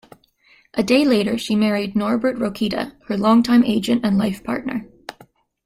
A day later she married Norbert Rokita, her longtime agent and life partner.